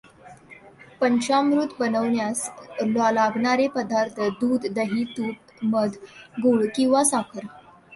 पंचामृत बनवण्यास लागणारे पदार्थ दूध दही तूप मध गूळ किंवा साखर.